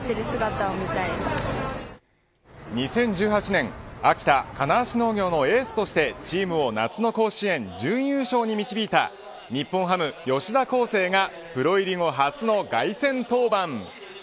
２０１８年秋田金足農業のエースとしてチームを夏の甲子園、準優勝に導いた日本ハム、吉田輝星がプロ入り後、初の凱旋登板。